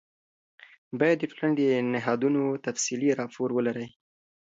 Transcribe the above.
باید د ټولنې د نهادونو تفصیلي راپور ولرئ.